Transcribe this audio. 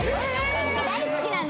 大好きなんで。